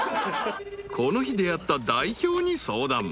［この日出会った代表に相談］